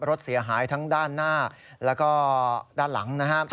รถเสียหายทั้งด้านหน้าแล้วก็ด้านหลังนะครับ